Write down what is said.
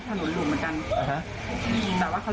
จะไม่เคลียร์กันได้ง่ายนะครับ